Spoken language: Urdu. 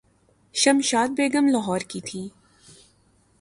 شمشاد بیگم لاہورکی تھیں۔